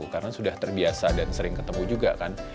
karena sudah terbiasa dan sering ketemu juga kan